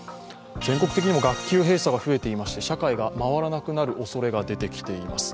全国的にも学級閉鎖が増えていまして社会が回らなくなるおそれが出てきています。